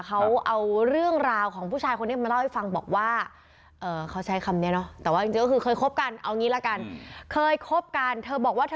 เค้าเอาเรื่องราวของผู้ชายคนนี้มาเล่าให้ฟังบอกว่า